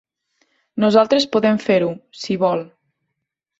Nosaltres podem fer-ho, si vol.